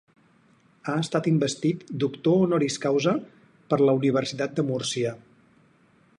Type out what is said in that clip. Ha estat investit doctor honoris causa per la Universitat de Múrcia.